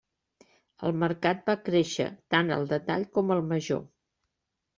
El mercat va créixer, tant al detall com al major.